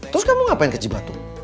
terus kamu ngapain ke cibatu